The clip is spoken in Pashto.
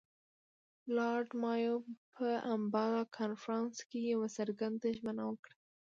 لارډ مایو په امباله کنفرانس کې یوه څرګنده ژمنه وکړه.